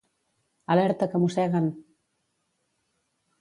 Alerta que mosseguen!